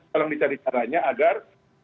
sekarang dicari caranya agar